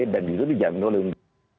dan itu dijangkau oleh undang undang